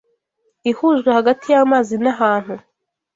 ihujwe Hagati y’amazi n’ahantu